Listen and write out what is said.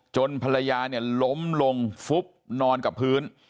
ภรรยาเนี่ยล้มลงฟุบนอนกับพื้น